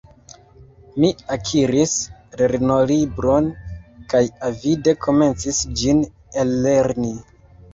Mi akiris lernolibron kaj avide komencis ĝin ellerni.